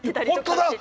本当だ！